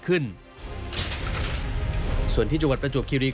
ขณะที่ญาติผู้บาดเจ็บระบุว่า